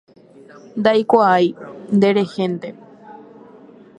Ndaikuaái, nderehénte.